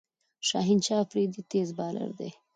شاهین شاه آفريدي تېز بالر دئ.